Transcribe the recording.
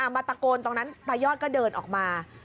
มาตะโกนตรงนั้นตายอดก็เดินออกมา